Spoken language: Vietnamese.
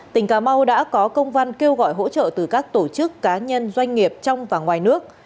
tỉnh cà mau đã có công văn kêu gọi hỗ trợ từ các tổ chức cá nhân doanh nghiệp trong và ngoài nước